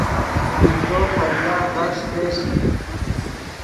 بیہدو خدیا غیݰ چش